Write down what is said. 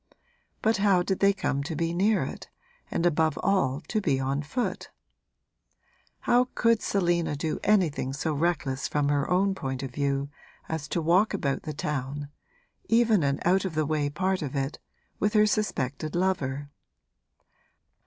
But how did they come to be near it and above all to be on foot? How could Selina do anything so reckless from her own point of view as to walk about the town even an out of the way part of it with her suspected lover?